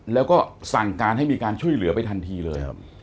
แล้วก็สั่งการให้มีการช่วยเหลือไปทันทีเลยครับ